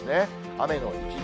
雨の一日。